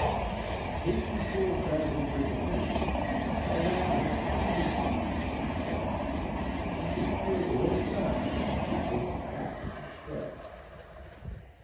"In case you feel badly disappointed, I'll let you into a secret," he said. "When we feel real savage, we take the axe instead."